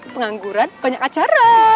pengangguran banyak acara